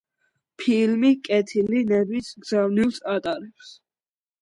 ფილმი კეთილი ნების გზავნილს ატარებს.